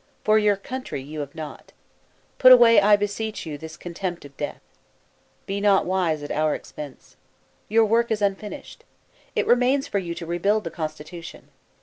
For your coun try, you have not. Put away, I beseech you, this contempt of death. Be not wise at our expense. Your work is unfinished. It remains for you to rebuild the constitution.